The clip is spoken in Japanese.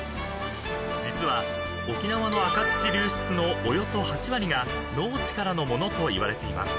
［実は沖縄の赤土流出のおよそ８割が農地からのものといわれています］